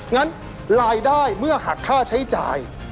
งั้นรายได้เมื่อหักค่าใช้จ่าย